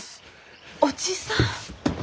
おじさん。